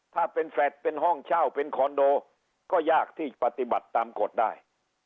ถ้าเป็นแฟลต์เป็นห้องเช่าเป็นคอนโดก็ยากที่ปฏิบัติตามกฎได้